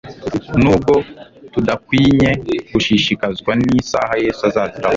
Nubwo tudakwinye gushishikazwa n'isahaYesu azaziraho,